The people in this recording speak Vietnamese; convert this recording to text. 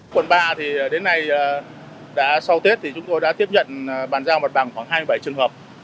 quận ba thì đến nay đã sau tết thì chúng tôi đã tiếp nhận bàn giao mặt bằng khoảng hai mươi bảy trường hợp